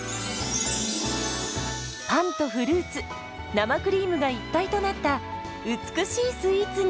パンとフルーツ生クリームが一体となった美しいスイーツに。